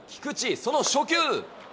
その初球。